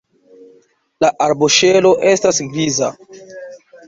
La arboŝelo estas griza.